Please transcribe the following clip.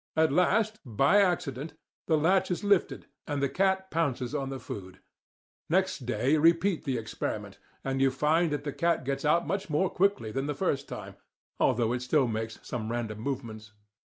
At last, by accident, the latch is lifted and the cat pounces on the food. Next day you repeat the experiment, and you find that the cat gets out much more quickly than the first time, although it still makes some random movements.